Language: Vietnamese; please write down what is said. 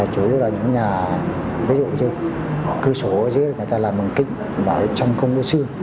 chủ yếu là những nhà ví dụ như cửa sổ ở dưới người ta làm bằng kính ở trong công đô xương